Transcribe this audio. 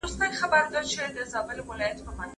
ایا مصنوعي خوشبویه مواد د پوستکي لپاره خطرناک دي؟